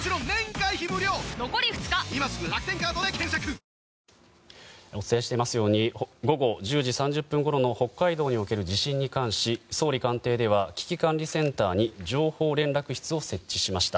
新「ＥＬＩＸＩＲ」お伝えしていますように午後１０時３０分ごろの北海道における地震に関し総理官邸では危機管理センターに情報連絡室を設置しました。